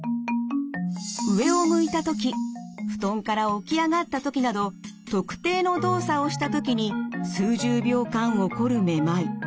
上を向いたとき布団から起き上がったときなど特定の動作をしたときに数十秒間起こるめまい。